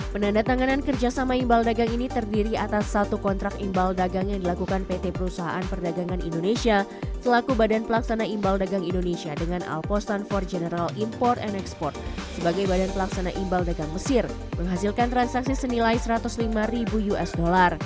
penandatanganan kerjasama imbal dagang ini terdiri atas satu kontrak imbal dagang yang dilakukan pt perusahaan perdagangan indonesia selaku badan pelaksana imbal dagang indonesia dengan alposan empat general import and export sebagai badan pelaksana imbal dagang mesir menghasilkan transaksi senilai satu ratus lima ribu usd